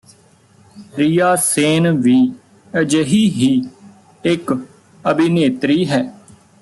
ਰੀਆ ਸੇਨ ਵੀ ਅਜਿਹੀ ਹੀ ਇਕ ਅਭਿਨੇਤਰੀ ਹੈ